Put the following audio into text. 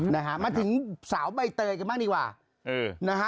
นะฮะมาถึงสาวบัยเตยกันมากดีกว่าเออ